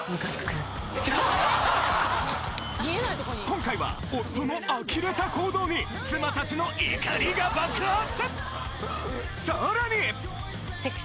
今回は夫の呆れた行動に妻たちの怒りが爆発！